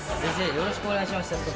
よろしくお願いします。